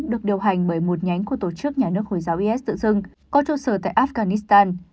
được điều hành bởi một nhánh của tổ chức nhà nước hồi giáo is tự dưng có trụ sở tại afghanistan